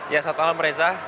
ya selamat malam reza